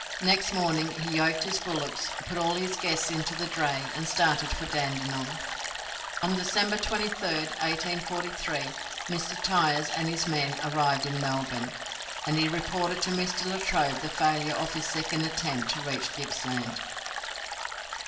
Next morning he yoked his bullocks, put all his guests into the dray, and started for Dandenong. On December 23rd, 1843, Mr. Tyers and his men arrived in Melbourne, and he reported to Mr. Latrobe the failure of his second attempt to reach Gippsland.